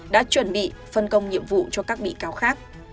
đã chuẩn bị phân công nhiệm vụ cho các bị cáo khác